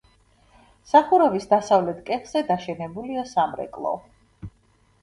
სახურავის დასავლეთ კეხზე დაშენებულია სამრეკლო.